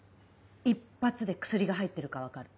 一発で薬が入ってるか分かる。